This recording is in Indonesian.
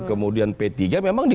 kemudian p tiga memang di